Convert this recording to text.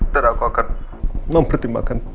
dan aku akan mempertimbangkan